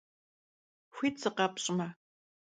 Xuit sıkhepş'me.